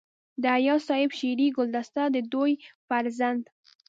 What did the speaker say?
د اياز صيب شعري ګلدسته دَ دوي فرزند